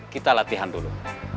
kita latihan dulu